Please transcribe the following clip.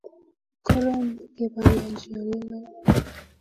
Korom kepanganji olelo